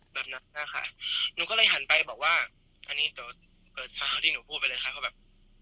แบบนั้นนะคะหนูก็เลยหันไปบอกว่าอันนี้เดี๋ยวเกิดเช้าที่หนูพูดไปเลยค่ะก็แบบ